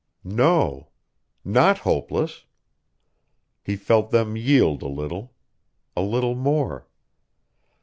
No! Not hopeless! He felt them yield a little, a little more....